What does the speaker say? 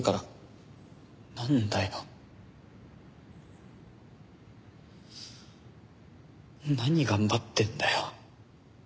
なんだよ。何頑張ってんだよ。